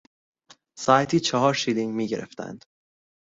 ساعتی چهار شیلینگ میگرفتند.